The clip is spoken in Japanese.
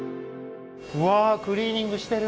うわクリーニングしてる。